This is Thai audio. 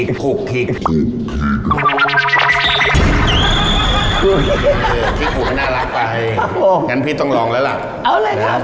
คือถือติดขอมันน่ารักไปกันพีชต้องลองหน่ะล่ะ